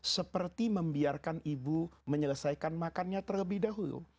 seperti membiarkan ibu menyelesaikan makannya terlebih dahulu